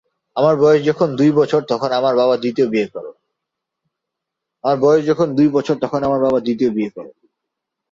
আমার বয়স যখন দুই বছর, তখন আমার বাবা দ্বিতীয় বিয়ে করেন।